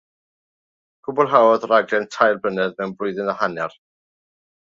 Cwblhaodd raglen tair blynedd mewn blwyddyn a hanner.